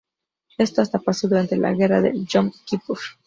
Esto hasta pasó durante la guerra del Yom Kipur.